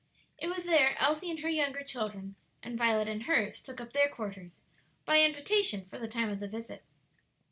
It was there Elsie and her younger children and Violet and hers took up their quarters, by invitation, for the time of the visit.